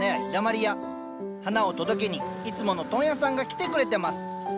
花を届けにいつもの問屋さんが来てくれてます